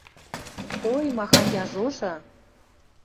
— Ой, махань яжожы!